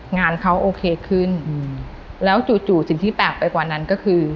งานเขาโอเคขึ้นแล้วจู่สิ่งที่แปลกไปกว่านั้นก็คือ